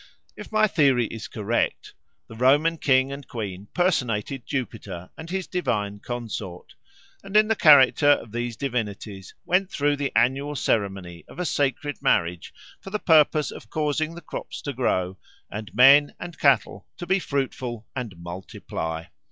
If my theory is correct, the Roman king and queen personated Jupiter and his divine consort, and in the character of these divinities went through the annual ceremony of a sacred marriage for the purpose of causing the crops to grow and men and cattle to be fruitful and multiply.